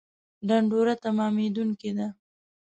ډنډوره تمامېدونکې ده